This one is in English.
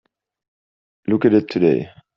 Look at it today.